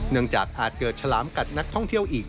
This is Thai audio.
จากอาจเกิดฉลามกัดนักท่องเที่ยวอีก